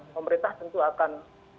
pemerintah tentu akan